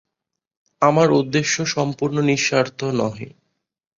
আমার উদ্দেশ্য সম্পূর্ণ নিঃস্বার্থ নহে।